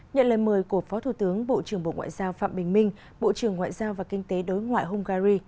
nhận lời mời của phó thủ tướng bộ trưởng bộ ngoại giao phạm bình minh bộ trưởng ngoại giao và kinh tế đối ngoại hungary